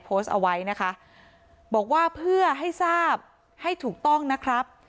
โพสต์เอาไว้นะคะบอกว่าเพื่อให้ทราบให้ถูกต้องนะครับ